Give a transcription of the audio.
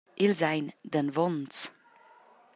Els ein danvonz.